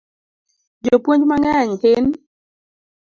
Jopuonj mang'eny hin